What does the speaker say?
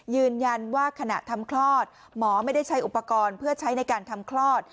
ยืนยันว่าขณะทำคลอดหมอไม่ได้ใช้อุปกรณ์เพื่อใช้ในการทำคลอด